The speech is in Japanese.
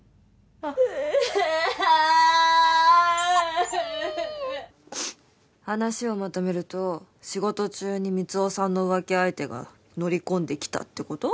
あああ話をまとめると仕事中に満男さんの浮気相手が乗り込んできたってこと？